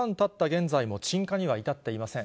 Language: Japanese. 現在も鎮火には至っていません。